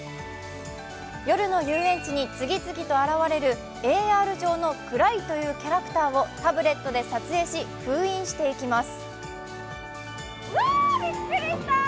夜の遊園地に次々と現れるＡＲ上のクライというキャラクターをタブレットで撮影し、封印していきます。